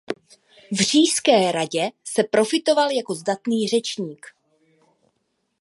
V Říšské radě se profiloval jako zdatný řečník.